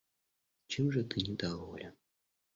Чем же ты недоволен?